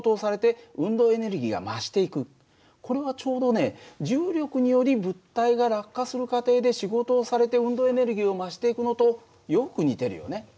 ちょうどね重力により物体が落下する過程で仕事をされて運動エネルギーを増していくのとよく似てるよね。